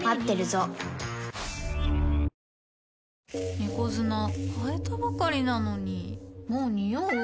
猫砂替えたばかりなのにもうニオう？